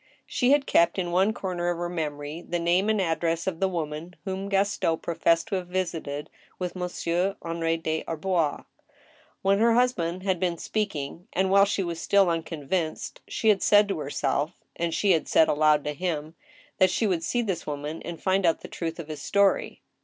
She had kept in one comer of her memory the nan)e and address of the woman whom Gaston professed to have visited with Monsieur Henri des Arbois. When her husband had been speaking, and while she was still unconvinced, she had said to herself (and she had said aloud to him) that she would see this woman and find out the truth of his story.